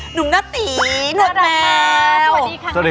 หนุ่มหน้าตีหือหนวดแมว